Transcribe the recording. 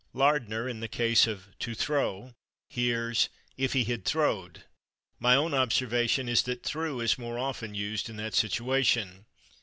Lardner, in the case of /to throw/, hears "if he had /throwed/"; my own observation is that /threw/ is more often used in that situation.